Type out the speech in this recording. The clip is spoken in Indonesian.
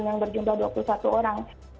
yang berjumlah dua puluh satu orang